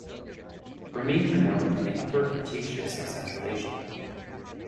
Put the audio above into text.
Remains are known from the Upper Cretaceous of Central Asia.